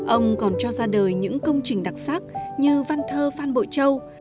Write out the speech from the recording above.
ông còn cho ra đời những công trình đặc sắc như văn thơ phan bội châu